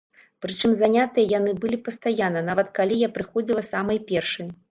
Прычым занятыя яны былі пастаянна, нават калі я прыходзіла самай першай.